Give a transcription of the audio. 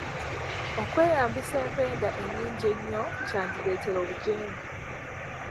Okweyambisa empenda ennyingi ennyo kyandireetera obugyemu.